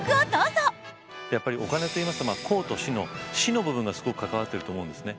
やっぱりお金といいますと公と私の私の部分がすごく関わってると思うんですね。